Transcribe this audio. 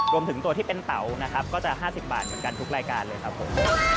รวมถึงตัวที่เป็นเตานะครับก็จะ๕๐บาทเหมือนกันทุกรายการเลยครับผม